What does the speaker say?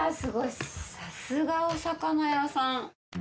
さすがお魚屋さん。